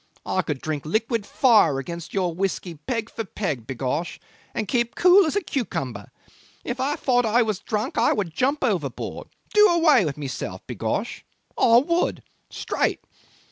I could drink liquid fire against your whisky peg for peg, b'gosh, and keep as cool as a cucumber. If I thought I was drunk I would jump overboard do away with myself, b'gosh. I would! Straight!